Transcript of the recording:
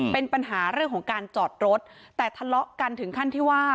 เป็นปัญหาเรื่องของการจอดรถแต่ทะเลาะกันถึงขั้นที่ว่า